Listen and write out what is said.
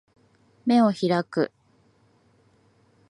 眼を開く